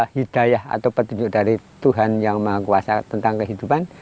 hidayah atau petunjuk dari tuhan yang mengkuasa tentang kehidupan